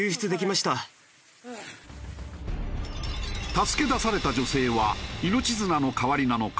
助け出された女性は命綱の代わりなのか